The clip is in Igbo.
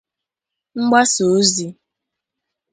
mgbasaozi